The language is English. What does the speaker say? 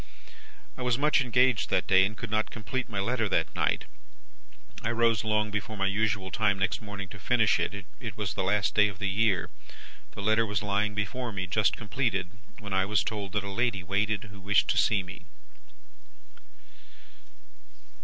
"I was much engaged that day, and could not complete my letter that night. I rose long before my usual time next morning to finish it. It was the last day of the year. The letter was lying before me just completed, when I was told that a lady waited, who wished to see me.